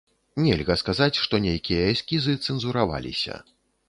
Нельга сказаць, што нейкія эскізы цэнзураваліся.